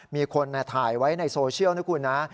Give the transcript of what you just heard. มีคนถ่ายไว้ในโซเชียลนะคุณนะ